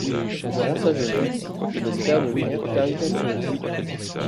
Durant sa jeunesse, il espère devenir caricaturiste.